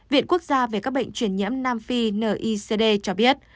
viện quốc gia về các bệnh truyền nhiễm nam phi nicd cho biết